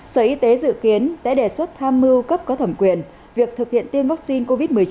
sở y tế dự kiến sẽ đề xuất tham mưu cấp có thẩm quyền việc thực hiện tiêm vaccine covid một mươi chín